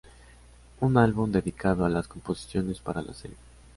Un álbum dedicado a las composiciones para la serie.